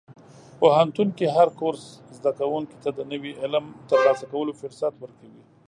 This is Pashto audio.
پوهنتون کې هر کورس زده کوونکي ته د نوي علم ترلاسه کولو فرصت ورکوي.